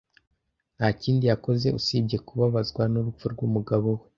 Nta kindi yakoze usibye kubabazwa n'urupfu rw'umugabo we.